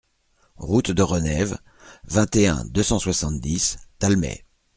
Route de Renève, vingt et un, deux cent soixante-dix Talmay